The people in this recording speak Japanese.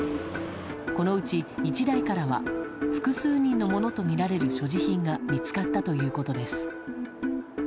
このうち１台からは複数人のものとみられる所持品が見つかったということです。